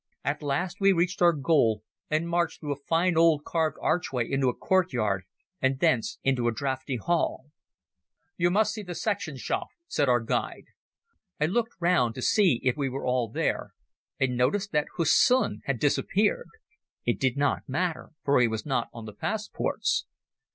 At last we reached our goal and marched through a fine old carved archway into a courtyard, and thence into a draughty hall. "You must see the Sektionschef," said our guide. I looked round to see if we were all there, and noticed that Hussin had disappeared. It did not matter, for he was not on the passports.